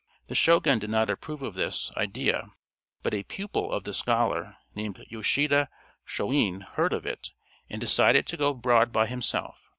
The Shogun did not approve of this idea; but a pupil of the scholar, named Yoshida Shoin, heard of it, and decided to go abroad by himself.